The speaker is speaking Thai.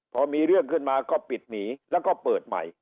พอมีเรื่องขึ้นมาก็ปิดหนีแล้วก็เปิดใหม่